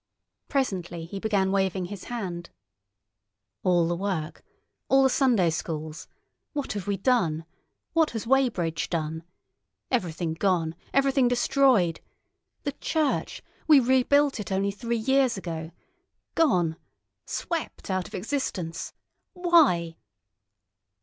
Presently he began waving his hand. "All the work—all the Sunday schools—What have we done—what has Weybridge done? Everything gone—everything destroyed. The church! We rebuilt it only three years ago. Gone! Swept out of existence! Why?"